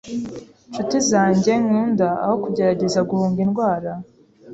Nshuti zanjye nkunda, aho kugerageza guhunga indwara,